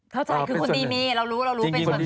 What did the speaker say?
เท่าจัยคือคนดีมีเรารู้เป็นส่วนน้อย